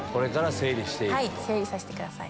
整理させてください。